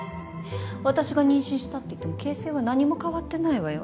私が妊娠したって言っても形勢は何も変わってないわよね。